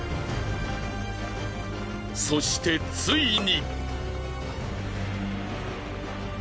そしてついに。